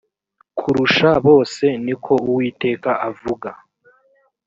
kurusha bose ni ko uwiteka avuga